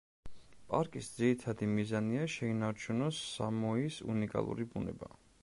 პარკის ძირითადი მიზანია შეინარჩუნოს სამოის უნიკალური ბუნება.